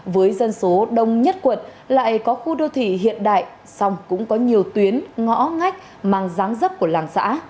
với dân số đông nhất quận lại có khu đô thị hiện đại song cũng có nhiều tuyến ngõ ngách mang ráng rấp của làng xã